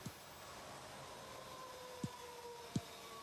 هغه د انګرېزانو له ایستلو وروسته جمهوریت تاءسیس کړي.